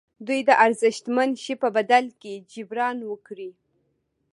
دوی د ارزښتمن شي په بدل کې جبران وکړي.